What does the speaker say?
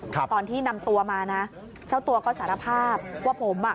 ตอนที่นำตัวมานะเจ้าตัวก็สารภาพว่าผมอ่ะ